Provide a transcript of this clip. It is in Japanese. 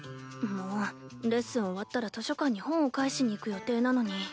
もうレッスン終わったら図書館に本を返しに行く予定なのに。